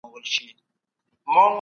مشاورین به په ټولنه کي عدالت تامین کړي.